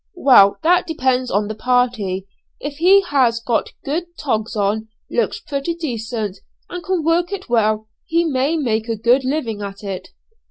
"Well, that depends on the party. If he has got good 'togs' on, looks pretty decent, and can work it well, he may make a good living at it."